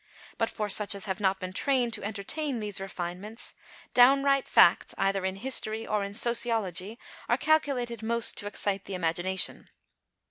But for such as have not been trained to entertain these refinements, downright facts, either in history or in sociology, are calculated most to excite the imagination.